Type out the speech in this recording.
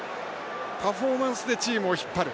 パフォーマンスでチームを引っ張る。